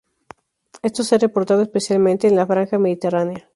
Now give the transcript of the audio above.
Esto se ha reportado especialmente en la franja mediterránea.